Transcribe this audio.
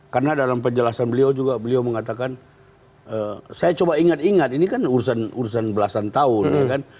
karena dalam penjelasan beliau juga beliau mengatakan saya coba ingat ingat ini kan urusan belasan tahun